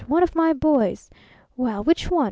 One of my boys? Well, which one?